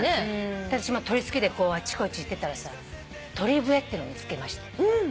私鳥好きであちこち行ってたらさ鳥笛っていうのを見つけまして。